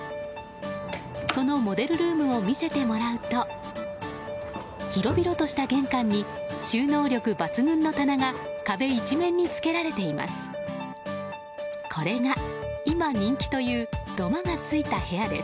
そのモデルルームを見せてもらうと広々とした玄関に収納力抜群の棚が壁一面につけられています。